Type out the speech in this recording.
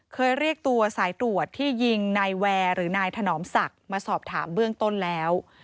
เคยเรียกตัวสายตรวจที่ยิงนายแวร์หรือนายถนอมศักดิ์มาสอบถามเบื้องต้นแล้ว